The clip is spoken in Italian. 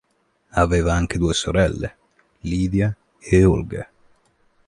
Aveva anche due sorelle, Lidia e Olga.